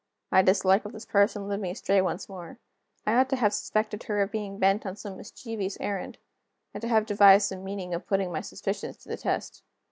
My dislike of this person led me astray once more. I ought to have suspected her of being bent on some mischievous errand, and to have devised some means of putting my suspicions to the test.